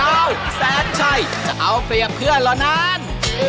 แสนชัยจะเอาเปรียบเพื่อนเหรอนั้น